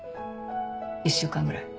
１週間ぐらい。